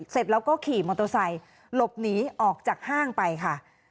เสร็จแล้วก็ขี่มอเตอร์ไซค์หลบหนีออกจากห้างไปค่ะ